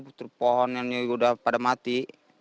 puter pohon yang udah pada mati